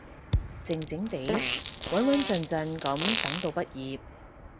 靜靜哋，穩穩陣陣噉等到畢業